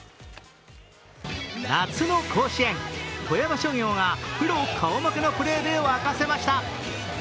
夏の甲子園、富山商業がプロ顔負けのプレーで沸かしました。